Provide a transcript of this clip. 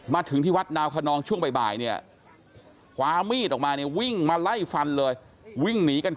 มาถึงที่วัดนาวคนนองช่วงบ่ายนี่